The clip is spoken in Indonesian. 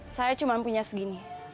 saya cuma punya segini